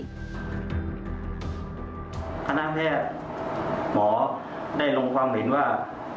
พนักท่านแพทย์หม่อได้ลงความเห็นว่า